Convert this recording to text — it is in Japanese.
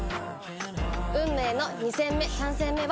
運命の２戦目３戦目はテレ朝系。